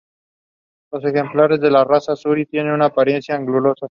Los ejemplares de la raza Suri tienen una apariencia angulosa.